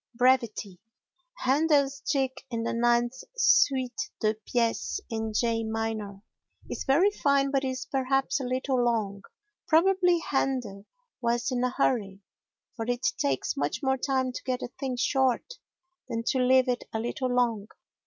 Brevity Handel's jig in the ninth Suite de Pieces, in G minor, is very fine but it is perhaps a little long. Probably Handel was in a hurry, for it takes much more time to get a thing short than to leave it a little long.